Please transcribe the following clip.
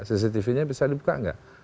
cctv nya bisa dibuka nggak